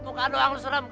muka doang lu serem